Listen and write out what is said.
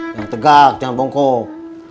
jangan tegak jangan bongkok